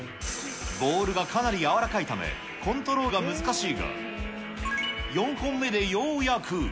ボールがかなり軟らかいため、コントロールが難しいが、４本目でようやく。